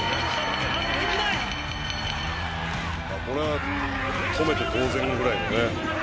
「これは止めて当然ぐらいのね」